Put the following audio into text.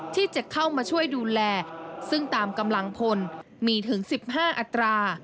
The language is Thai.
ที่จะเข้ามาช่วยดูแลซึ่งตามกำลังพลมีถึง๑๕อัตรา